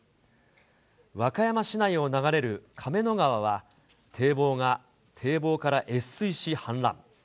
和歌山市内を流れる亀の川は、堤防から越水し氾濫。